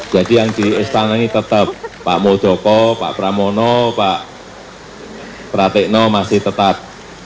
jadi yang diistanangi tetap pak muldoko pak pramono pak pratikno masih tetap